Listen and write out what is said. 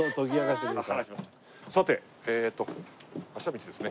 さてえっと馬車道ですね。